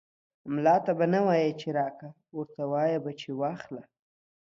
ملا ته به نه وايي چې راکه ، ورته وايې به چې واخله.